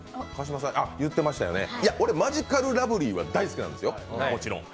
あ、俺、マヂカルラブリーは大好きなんですよ、もちろん。